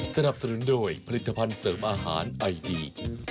สนับสนุนโดยผลิตภัณฑ์เสริมอาหารไอดี